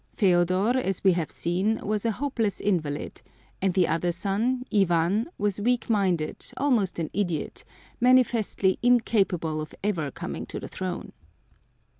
Feodor, as we have seen, was a hopeless invalid; and the other son, Ivan, was weak minded, almost an idiot, manifestly incapable of ever coming to the throne.